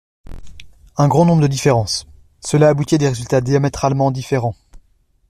Un grand nombre de différences ! Cela aboutit à des résultats diamétralement différents.